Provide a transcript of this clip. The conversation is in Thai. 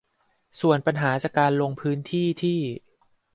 ส่วนปัญหาจากการลงพื้นที่ที่